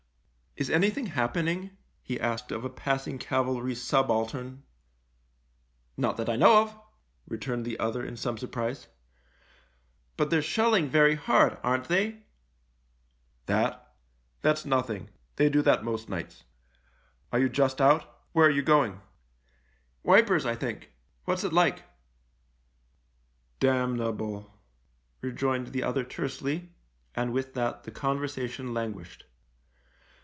" Is anything happening ?" he asked of a passing cavalry subaltern. " Not that I know of," returned the other in some surprise. " But they're shelling very hard, aren't they ?"" That ! That's nothing — they do that most nights. Are you just out ? Where are you going ?"" Wipers, I think. What's it like ?"" Damnable," rejoined the other tersely, and with that the conversation languished.